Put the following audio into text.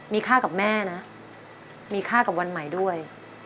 มีค่ากับแม่นะมีค่ากับวันใหม่ด้วย